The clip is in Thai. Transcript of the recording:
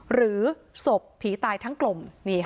หรือศพผีตายทั้งกลม